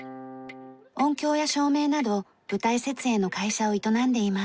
音響や照明など舞台設営の会社を営んでいます。